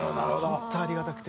本当ありがたくて。